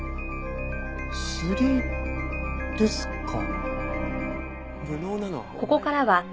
釣りですか。